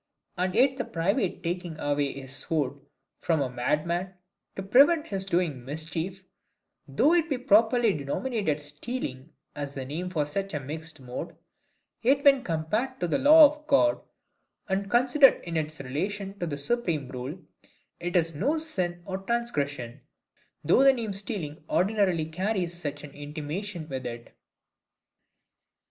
And yet the private taking away his sword from a madman, to prevent his doing mischief, though it be properly denominated stealing, as the name of such a mixed mode; yet when compared to the law of God, and considered in its relation to that supreme rule, it is no sin or transgression, though the name stealing ordinarily carries such an intimation with it.